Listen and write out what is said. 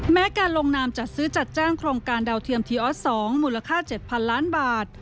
แม้การลงนามจัดซื้อจัดจ้างโครงการดาวเทียมทีออส๒มูลค่า๗๐๐ล้านบาท